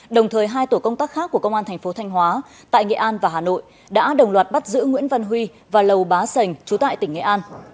đồng thời hai tổ công tác khác của công an thành phố thanh hóa tại nghệ an và hà nội đã đồng loạt bắt giữ nguyễn văn huy và lầu bá sành trú tại tỉnh nghệ an